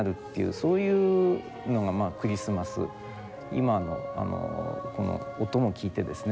今のこの音も聞いてですね